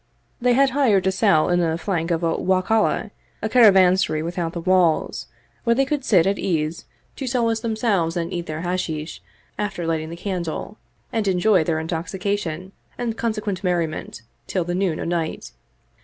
They had hired a cell in the flank of a Wakalah, a caravansary without the walls, where they could sit at ease to solace 26 The Craft of the Three Sharpers themselves and eat their Hashish after lighting the candle, and enjoy their intoxication and consequent merriment till the noon o' night.